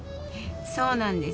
そうなんです。